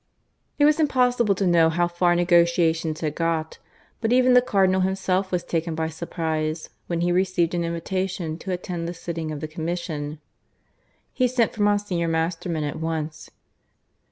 It was impossible to know how far negotiations had got; but even the Cardinal himself was taken by surprise when he received an invitation to attend the sitting of the Commission. He sent for Monsignor Masterman at once.